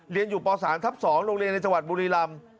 เรียนอยู่ป๓ทับ๒โรงเรียนในจังหวัดบุรีรำ